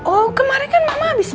oh kemarin kan mama habis beli